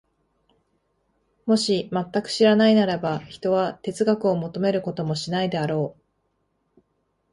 もし全く知らないならば、ひとは哲学を求めることもしないであろう。